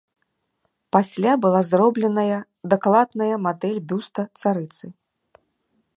Пасля была зробленая дакладная мадэль бюста царыцы.